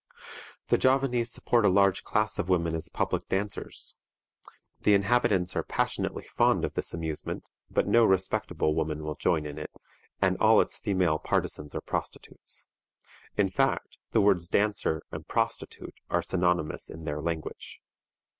The Javanese support a large class of women as public dancers. The inhabitants are passionately fond of this amusement, but no respectable woman will join in it, and all its female partisans are prostitutes; in fact, the words dancer and prostitute are synonymous in their language.